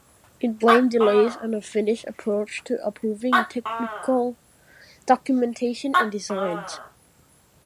It blamed delays on the Finnish approach to approving technical documentation and designs.